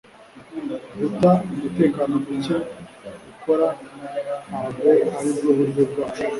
guta umutekano muke ukora ntabwo aribwo buryo bwacu